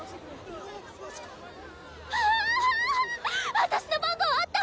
私の番号あった！